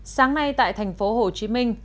sáng nay tại thành phố hồ chí minh